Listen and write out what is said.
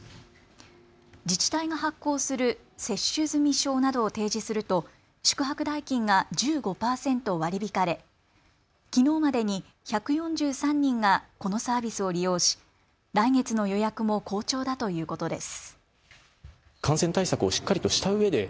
自治体が発行する接種済証などを提示すると宿泊代金が１５％割り引かれきのうまでに１４３人がこのサービスを利用し来月の予約も好調だということです。